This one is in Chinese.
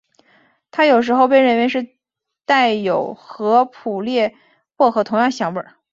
它有时候被认为是带有和普列薄荷同样香味。